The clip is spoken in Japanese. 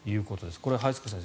これは早坂先生